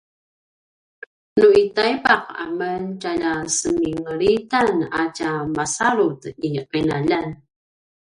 nu i taipaq amen tjalja semingelitan a tja masalut i qinaljan